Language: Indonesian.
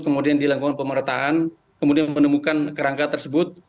kemudian dilakukan pemeretahan kemudian menemukan kerangka tersebut